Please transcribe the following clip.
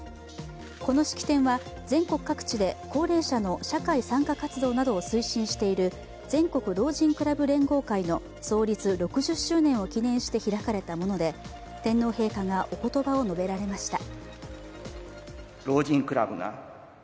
この式典は全国各地で高齢者の社会参加活動などを推進している全国老人クラブ連合会の創立６０周年を記念して開かれたもので天皇陛下がおことばを述べられました。